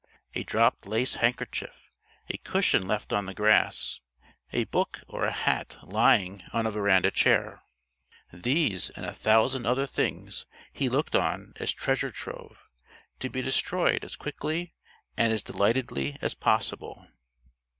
A dropped lace handkerchief, a cushion left on the grass, a book or a hat lying on a veranda chair these and a thousand other things he looked on as treasure trove, to be destroyed as quickly and as delightedly as possible.